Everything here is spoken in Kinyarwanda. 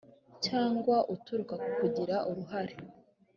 cyangwa uturuka ku kugira uruhare